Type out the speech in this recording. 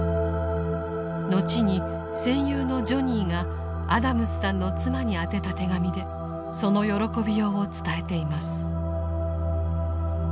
後に戦友のジョニーがアダムスさんの妻に宛てた手紙でその喜びようを伝えています。